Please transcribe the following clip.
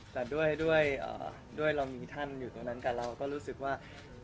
แต่ด้วยเรามีท่านอยู่ตรงนั้นกับเราก็รู้สึกว่า